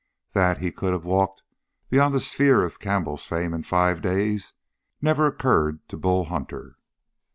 That he could have walked beyond the sphere of Campbell's fame in five days never occurred to Bull Hunter.